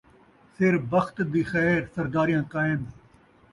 سر بخت دی خیر، سرداریاں قائم